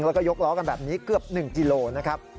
แล้วก็ยกล้อกันแบบนี้เกือบ๑กิโลนะครับ